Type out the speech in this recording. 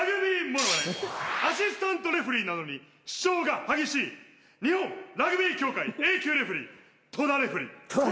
アシスタントレフェリーなのに主張が激しい日本ラグビー協会Ａ級レフェリー戸田レフェリー。